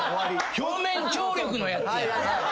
表面張力のやつや。